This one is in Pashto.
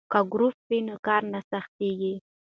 که ګروپ وي نو کار نه سختیږي.